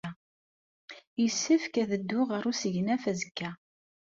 Yessefk ad dduɣ ɣer usegnaf azekka.